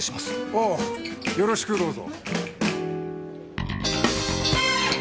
ああよろしくどうぞ。